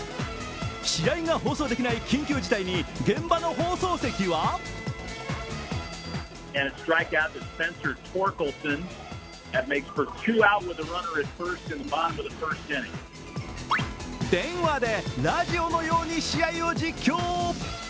試合が放送できない緊急事態に現場の放送席は電話でラジオのように試合を実況。